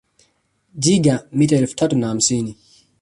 Jaeger mita elfu tatu na hamsini